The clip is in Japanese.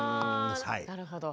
なるほど。